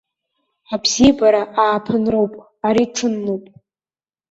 Абзиабара ааԥынроуп, ари ҽынлоуп!